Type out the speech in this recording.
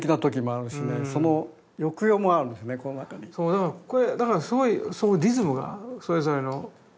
だからこれだからすごいリズムがあるそれぞれの。